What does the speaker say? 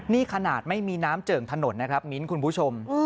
นี่ขนาดไม่มีน้ำเจิ่งถนนนะครับมิ้นท์คุณผู้ชม